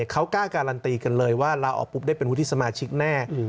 เขากล้าการันตีกันเลยว่าลาออกปุ๊บได้เป็นวุฒิสมาชิกแน่